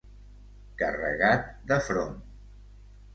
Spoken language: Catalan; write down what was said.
Carregat de front.